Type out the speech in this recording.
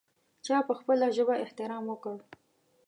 چا په خپله ژبه احترام وکړ.